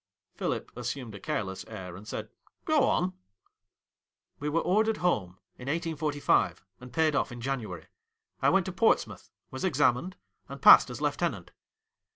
Philip assumed a careless air, and said, 'Goon.' ' We were ordered home in eighteen forty five, and paid off in January. I went to Portsmouth ; was examined, and passed as lieutenant.'